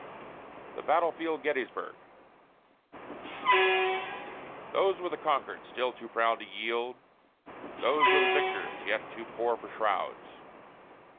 THE BATTLE FIELD GETTYSBURG Those were the conquered, still too proud to yield These were the victors, yet too poor for shrouds!